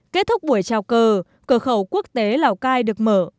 kết thúc buổi trào cờ cửa khẩu quốc tế lào cai được mở